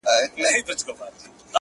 هر سړي ویل په عامه هم په زړه کي-